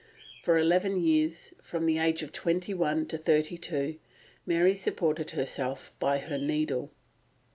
For eleven years, from the age of twenty one to thirty two, Mary supported herself by her needle.